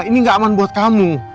ini gak aman buat kamu